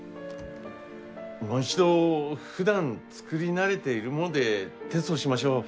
もう一度ふだん作り慣れているものでテストしましょう。